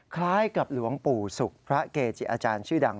คล้ายกับหลวงปู่ศุกร์พระเกจิอาจารย์ชื่อดัง